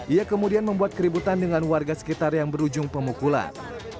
ia kemudian membuat keributan dengan warga sekitar yang berujung pemukulan